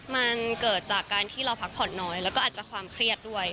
มันเกิดจากการที่เราพักผ่อนน้อยแล้วก็อาจจะความเครียดด้วย